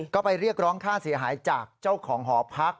ก็ไปเรียกร้องค่าเสียหายจากเจ้าของหอพัก